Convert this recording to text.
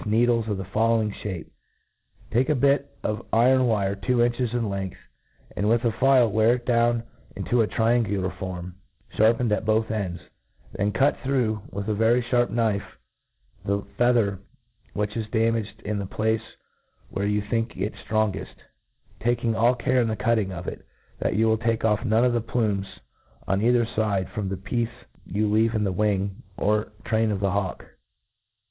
needles of the following ffiape. Take a bit of iron wire tt^o inches^ in lengthy tod with a file wear it down inta a triangular form, (harpened at both ends* Then cut through, with a very fharp knife^ the feather 'which is' damaged, ia the place where you think it ftrongeft, taking all care in the cutting of it, that you take off none of the. plumes on either fide from the piece you leave in the wing or train of the hawk.